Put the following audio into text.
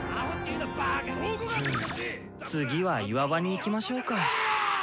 次は岩場に行きましょうか。